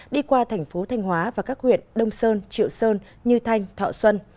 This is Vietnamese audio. đi qua thành phố thanh hóa và các huyện đông sơn triệu sơn như thanh thọ xuân